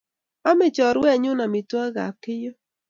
Ame choruennyu amitwogik ab Keiyo